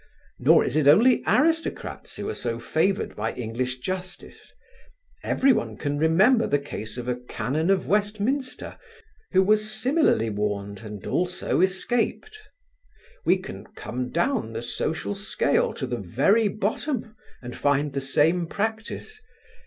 Nor is it only aristocrats who are so favoured by English justice: everyone can remember the case of a Canon of Westminster who was similarly warned and also escaped. We can come down the social scale to the very bottom and find the same practice.